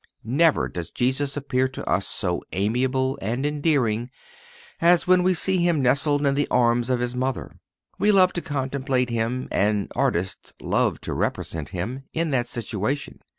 Never does Jesus appear to us so amiable and endearing as when we see Him nestled in the arms of His Mother. We love to contemplate Him, and artists love to represent Him, in that situation.